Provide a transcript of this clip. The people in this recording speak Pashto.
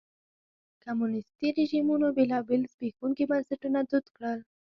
کمونیستي رژیمونو بېلابېل زبېښونکي بنسټونه دود کړل.